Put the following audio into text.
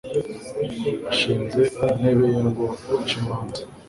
ashinze intebe ye ngo ace imanza